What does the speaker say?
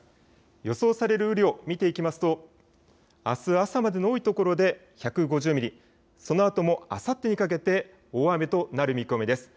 予想される雨量、見ていきますとあす朝までの多いところで１５０ミリ、そのあともあさってにかけて大雨となる見込みです。